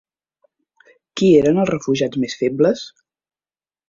Qui eren els refugiats més febles?